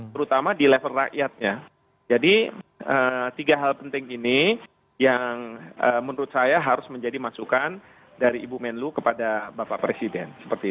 terutama di level rakyatnya jadi tiga hal penting ini yang menurut saya harus menjadi masukan dari ibu menlu kepada bapak presiden